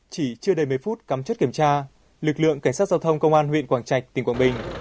chỉ chưa đầy mấy phút cắm chất kiểm tra lực lượng cảnh sát giao thông công an huyện quảng trạch tỉnh quảng bình